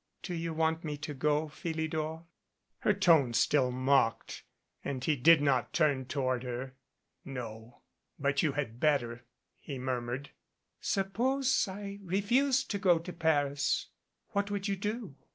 "Do you want me to go, Philidor?" Her tone still mocked and he did not turn toward her. "No but you had better," he murmured. "Suppose I refused to go to Paris. What would you do?"